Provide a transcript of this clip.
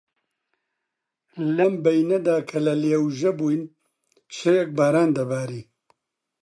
لەم بەینەدا کە لە لێوژە بووین، شەوێک باران دەباری